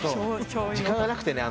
時間がなくてね。